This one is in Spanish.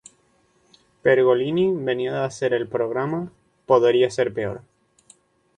Pergolini venía de hacer el programa "Podría ser peor".